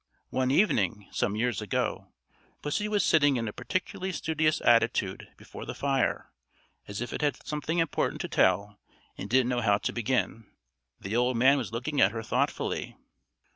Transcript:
One evening, some years ago, pussy was sitting in a particularly studious attitude before the fire, as if it had something important to tell and didn't know how to begin. The old man was looking at her thoughtfully.